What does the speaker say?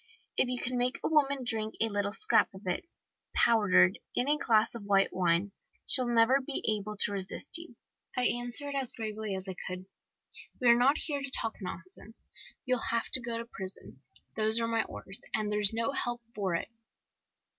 If you can make a woman drink a little scrap of it, powdered, in a glass of white wine, she'll never be able to resist you. I answered, as gravely as I could: "'We are not here to talk nonsense. You'll have to go to prison. Those are my orders, and there's no help for it!